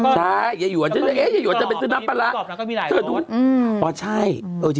ไฟเว่อร์หรือเปล่าไฟเว่อร์